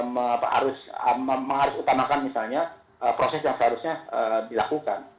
mengharus utamakan misalnya proses yang seharusnya dilakukan